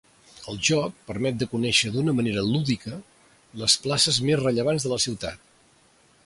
El joc permet de conèixer d'una manera lúdica les places més rellevants de la ciutat.